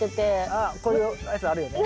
あっこういうやつあるよね。